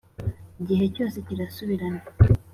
Igihugu cyose kirasubirana